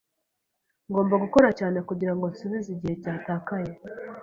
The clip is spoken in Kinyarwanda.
Ngomba gukora cyane kugirango nsubize igihe cyatakaye.